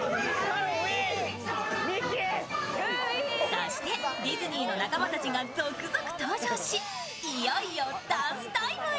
そして、ディズニーの仲間たちが続々登場し、いよいよダンスタイムへ。